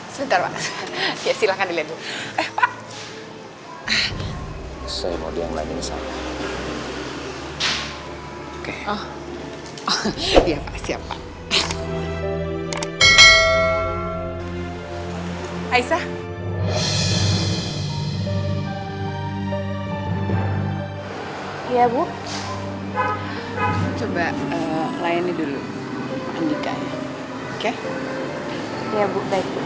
serta aja bisa saya bantu